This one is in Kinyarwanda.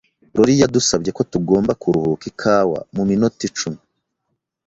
Lori yadusabye ko tugomba kuruhuka ikawa mu minota icumi.